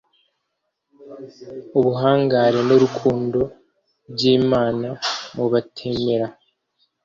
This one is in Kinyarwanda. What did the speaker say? ubuhangare n urukundo by imana mubatemera